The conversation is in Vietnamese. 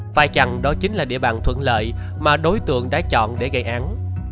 phải chăng đó chính là địa bàn thuận lợi mà đối tượng đã chọn để gây án